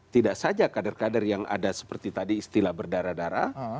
tidak saja kader kader yang ada seperti tadi istilah berdarah darah